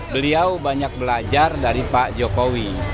beliau banyak belajar dari pak jokowi